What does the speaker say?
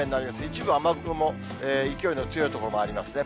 一部雨雲、勢いの強い所もありますね。